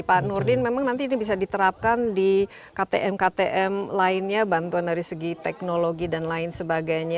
pak nurdin memang nanti ini bisa diterapkan di ktm ktm lainnya bantuan dari segi teknologi dan lain sebagainya